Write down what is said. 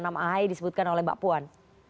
nama ahy disebutkan oleh mbak puan